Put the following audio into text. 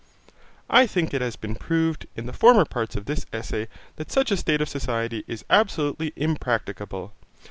I think it has been proved in the former parts of this essay that such a state of society is absolutely impracticable.